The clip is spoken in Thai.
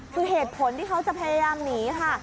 คือเหตุผลที่เขาจะพยายามหนีค่ะ